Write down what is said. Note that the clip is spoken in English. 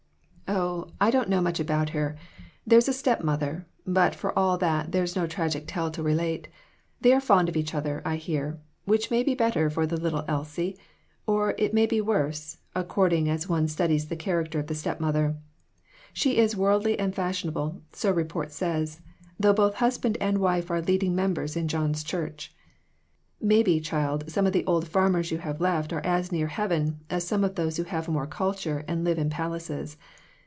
Oh, I don't know much about her ; there's a step mother, but for all that there's no tragic tale to relate ; they are fond of each other, I hear, which may be better for the little Elsie, or it may be worse, according as one studies the character of the step mother. She is worldly and fashionable, so report says, though both husband and wife are leading members in John's church. Maybe, child, some of the old farmers you have left are as near heaven as some .of those who have more culture, and live in palaces.